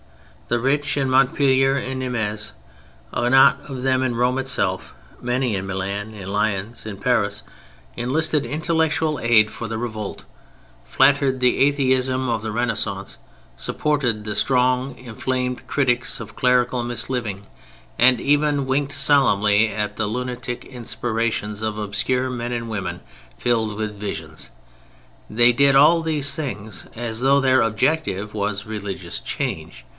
The rich in Montpelier and Nîmes, a knot of them in Rome itself, many in Milan, in Lyons, in Paris, enlisted intellectual aid for the revolt, flattered the atheism of the Renaissance, supported the strong inflamed critics of clerical misliving, and even winked solemnly at the lunatic inspirations of obscure men and women filled with "visions." They did all these things as though their object was religious change.